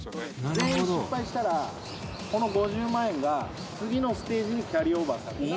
全員失敗したらその５０万円が次のステージにキャリーオーバーとなります。